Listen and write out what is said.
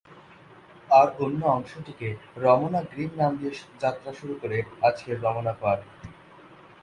আর অন্য অংশটিকে রমনা গ্রিন নাম দিয়ে যাত্রা শুরু করে আজকের রমনা পার্ক।